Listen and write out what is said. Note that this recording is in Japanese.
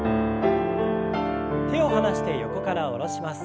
手を離して横から下ろします。